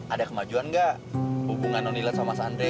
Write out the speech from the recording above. ada kemajuan gak hubungan nonila sama mas andre